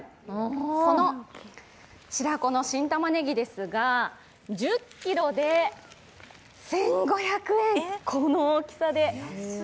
この白子の新玉ねぎですが、１０ｋｇで１５００円、この大きさで。